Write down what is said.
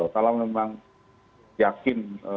kalau memang yakin